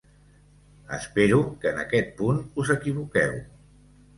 Espero que en aquest punt us equivoqueu.